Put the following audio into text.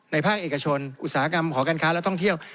ภาคเอกชนอุตสาหกรรมหอการค้าและท่องเที่ยว